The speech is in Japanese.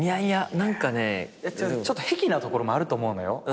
ちょっと癖なところもあると思うのよ。